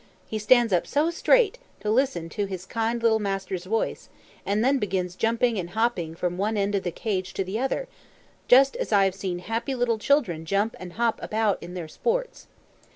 he stands up so straight, to listen to his kind little masters voice, and then begins jumping and hopping from one end of the cage to the other, just as I have seen happy little children jump and hop about in their sports.